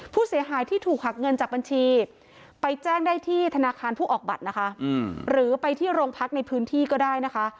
ผู้เสียหายที่ถูกหักเงินจากบัญชีไปแจ้งได้ที่ธนาคารผู้ออกบัตรนะคะหรือไปที่โรงพักในพื้นที่ก็ได้นะคะ